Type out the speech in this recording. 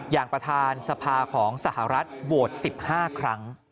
อย่างประธานสภาของสหรัฐโหวต๑๕ครั้ง